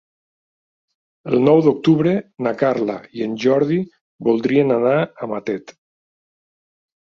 El nou d'octubre na Carla i en Jordi voldrien anar a Matet.